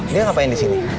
dia ngapain disini